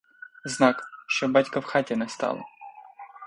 Знак, що батька в хаті не стало.